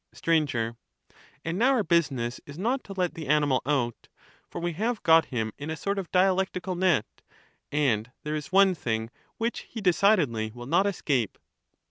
Str, And now our business is not to let the animal out, for we have got him in a sort of dialectical net, and there is one thing which he decidedly will not escape.